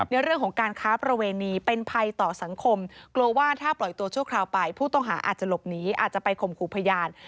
ในเรื่องของการค้าประเวณีเป็นภัยต่อสังคมกลัวว่าถ้าปล่อยตัวชั่วคราวไปผู้ต้องหาอาจจะหลบหนีอาจจะไปข่มขู่พยาน